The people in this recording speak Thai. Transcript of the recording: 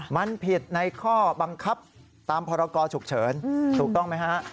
มันผิดในข้อบังคับตามพรกรฉุกเฉินถูกต้องไหมฮะ